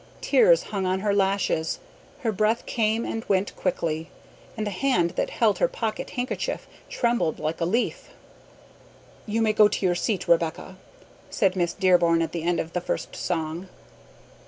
Tears hung on her lashes; her breath came and went quickly, and the hand that held her pocket handkerchief trembled like a leaf. "You may go to your seat, Rebecca," said Miss Dearborn at the end of the first song.